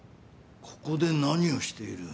ここで何をしている？